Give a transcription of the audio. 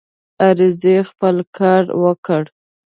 عریضې خپل کار وکړ.